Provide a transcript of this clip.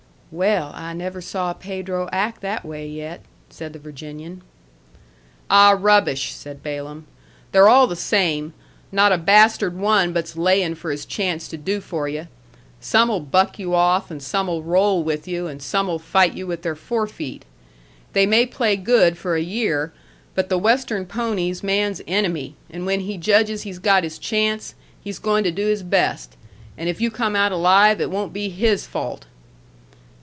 "Well, I never saw Pedro act that way yet," said the Virginian. "Ah, rubbish!" said Balaam. "They're all the same. Not a bastard one but's laying for his chance to do for you. Some'll buck you off, and some'll roll with you, and some'll fight you with their fore feet. They may play good for a year, but the Western pony's man's enemy, and when he judges he's got his chance, he's going to do his best. And if you come out alive it won't be his fault."